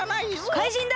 怪人だ！